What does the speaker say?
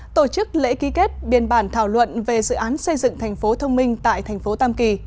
tổ chức lễ ký kết biên bản thảo luận về dự án xây dựng thành phố thông minh tại thành phố tam kỳ